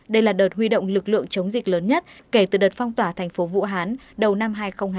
đây là đợt huy động lực lượng chống dịch lớn nhất kể từ đợt phong tỏa thành phố vũ hán đầu năm hai nghìn hai mươi